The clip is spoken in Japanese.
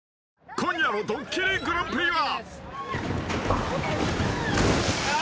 ［今夜の『ドッキリＧＰ』は］